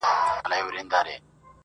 خير دی، زه داسي یم، چي داسي نه وم.